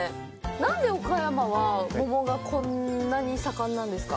なんで岡山は桃がこんなに盛んなんですか？